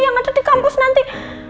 yang ada di kampus nanti